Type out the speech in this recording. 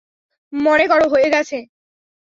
মনে কর হয়ে গেছে।